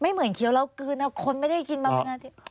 ไม่เหมือนเคี้ยวแล้วคืนคนไม่ได้กินมาไม่นานที